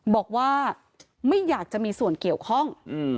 บอกว่าไม่อยากจะมีส่วนเกี่ยวข้อง